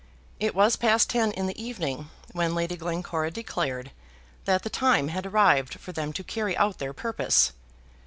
It was past ten in the evening when Lady Glencora declared that the time had arrived for them to carry out their purpose.